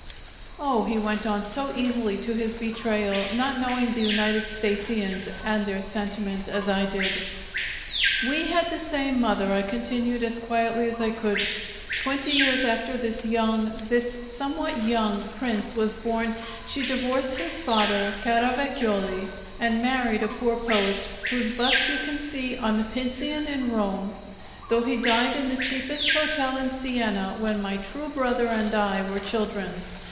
Oh, he went on so easily to his betrayal, not knowing the United Statesians and their sentiment, as I did. "We had the same mother," I continued, as quietly as I could. "Twenty years after this young this somewhat young Prince was born she divorced his father, Caravacioli, and married a poor poet, whose bust you can see on the Pincian in Rome, though he died in the cheapest hotel in Sienna when my true brother and I were children.